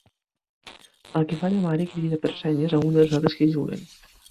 El qui fa de mare crida per senyes a un dels altres que juguen.